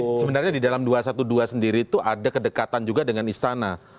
jadi sebenarnya di dalam dua ratus dua belas sendiri tuh ada kedekatan juga dengan istana